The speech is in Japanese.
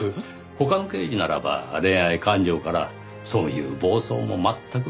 他の刑事ならば恋愛感情からそういう暴走も全くないとは言えません。